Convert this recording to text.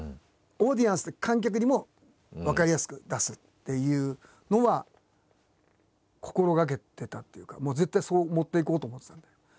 オーディエンス観客にも分かりやすく出すっていうのは心がけてたっていうかもう絶対そう持っていこうと思ってたんで。